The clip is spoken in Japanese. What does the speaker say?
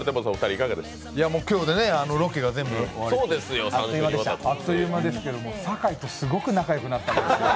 今日でロケが全部終わってあっという間ですけれども、酒井とすごく仲よくなった。